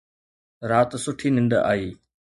رات سٺي ننڊ آئي